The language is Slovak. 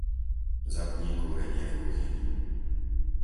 Zapni kúrenie v kuchyni.